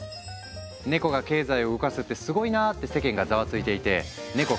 ネコが経済を動かすってすごいなって世間がざわついていてネコ